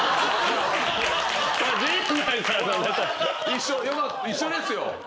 一緒ですよ。